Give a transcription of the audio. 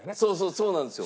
そうなんですよ。